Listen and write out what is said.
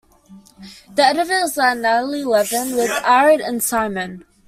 The editors are Natalie Levin, with Arad and Simon.